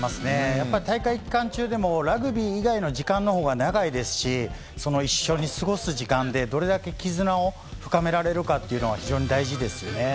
やっぱり大会期間中でも、ラグビー以外の時間のほうが長いですし、その一緒に過ごす時間で、どれだけ絆を深められるかっていうのは、非常に大事ですよね。